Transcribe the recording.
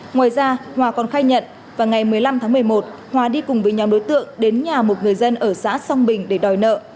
ngoài ra hòa còn khai nhận vào ngày một mươi năm tháng một mươi một hòa đi cùng với nhóm đối tượng đến nhà một người dân ở xã song bình để đòi nợ